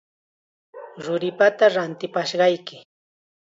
Ruripata ratipashqayki.